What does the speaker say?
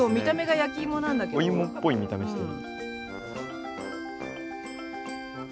お芋っぽい見た目してる。